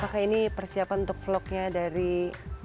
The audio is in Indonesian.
apakah ini persiapan untuk vlognya dari